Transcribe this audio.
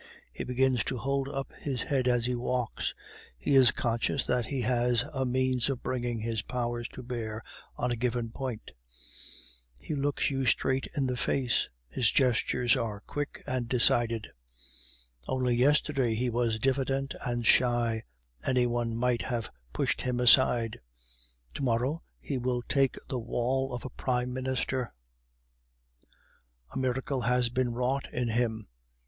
He begins to hold up his head as he walks; he is conscious that he has a means of bringing his powers to bear on a given point; he looks you straight in the face; his gestures are quick and decided; only yesterday he was diffident and shy, any one might have pushed him aside; to morrow, he will take the wall of a prime minister. A miracle has been wrought in him.